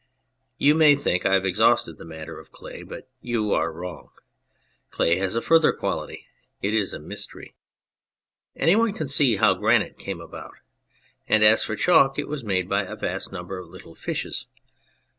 You may think I have exhausted the matter of clay, but you are wrong. Clay has a further quality : it is a mystery. Any one can see how granite came about. And as for chalk, it was made by a vast number of little fishes.